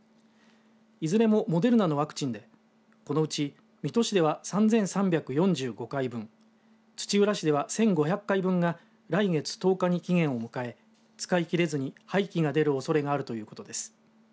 いずれも、モデルナのワクチンでこのうち水戸市では３３４５回分土浦市では１５００回分が来月１０日に期限を迎え使い切れずに廃棄が出るおそれがあるということです。